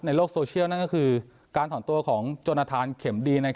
ในโลกโซเชียลนั่นก็คือการถอนตัวของจนทานเข็มดี